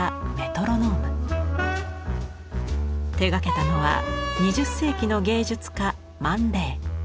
手がけたのは２０世紀の芸術家マン・レイ。